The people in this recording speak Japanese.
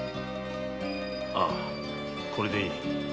ああこれでいい。